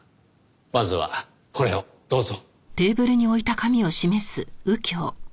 まずはこれをどうぞ。